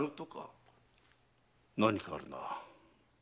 何かあるな。